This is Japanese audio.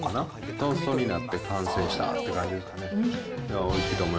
トーストになって完成したって感じですかね。